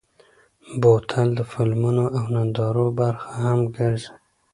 بوتل د فلمونو او نندارو برخه هم ګرځي.